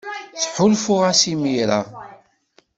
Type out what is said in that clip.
Ttḥulfuɣ-as imir-a.